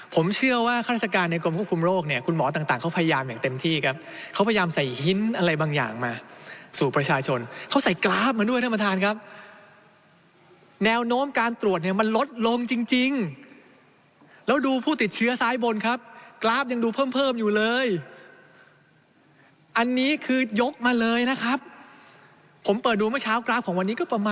ผมเชื่อว่าข้าราชการในกรมควบคุมโรคเนี่ยคุณหมอต่างเขาพยายามอย่างเต็มที่ครับเขาพยายามใส่หินอะไรบางอย่างมาสู่ประชาชนเขาใส่กราฟมาด้วยท่านประธานครับแนวโน้มการตรวจเนี่ยมันลดลงจริงแล้วดูผู้ติดเชื้อซ้ายบนครับกราฟยังดูเพิ่มเพิ่มอยู่เลยอันนี้คือยกมาเลยนะครับผมเปิดดูเมื่อเช้ากราฟของวันนี้ก็ป